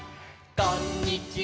「こんにちは」